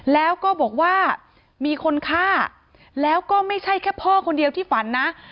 แล้วก็บอกว่ามีคนฆ่าแล้วก็ไม่ใช่แค่พ่อคนเดียวที่ฝันนะ